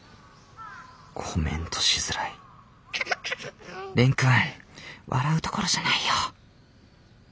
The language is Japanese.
コメントしづらい蓮くん笑うところじゃないよ！